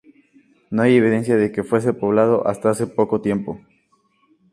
No hay evidencias de que fuese poblado hasta hace poco tiempo.